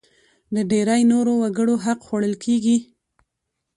د ډېری نورو وګړو حق خوړل کېږي.